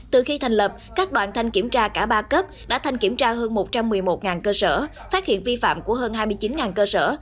từ khi thành lập các đoàn thanh kiểm tra cả ba cấp đã thanh kiểm tra hơn một trăm một mươi một cơ sở phát hiện vi phạm của hơn hai mươi chín cơ sở